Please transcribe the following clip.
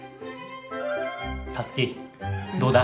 タツキどうだ？